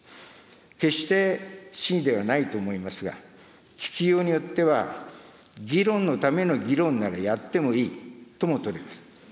決して真意ではないと思いますが、聞きようによっては、議論のための議論ならやってもいいとも取れます。